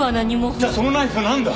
じゃあそのナイフはなんだ？